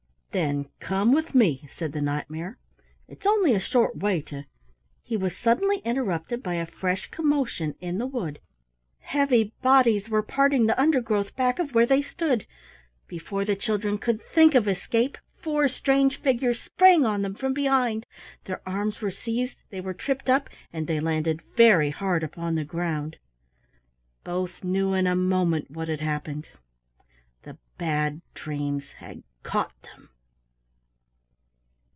"Then come with me," said the Knight mare. "It's only a short way to " He was suddenly interrupted by a fresh commotion in the wood. Heavy bodies were parting the undergrowth back of where they stood. Before the children could think of escape, four strange figures sprang on them from behind, their arms were seized, they were tripped up, and they landed very hard upon the ground. Both knew in a moment what had happened. The Bad Dreams had caught them!